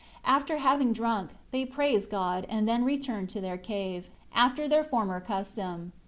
After having drunk, they praised God, and then returned to their cave, after their former custom.